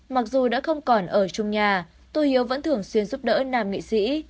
mặc dù đã không còn ở chung nhà tô hiếu vẫn thường xuyên giúp đỡ nam nghệ sĩ